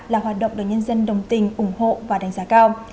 là hoạt động được nhân dân đồng tình ủng hộ và đánh giá cao